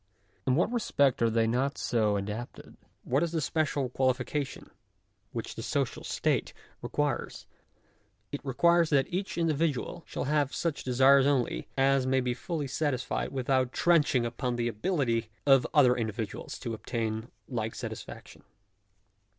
j In what respect are they not so adapted ? what is the special : qualification which the social state requires ? It requires that each individual shall have such desires only, as may be fully satisfied without trenching upon the ability of Digitized by VjOOQIC THE EVANESCENCE OF EVIL. G3 other individuals to obtain like satisfaction.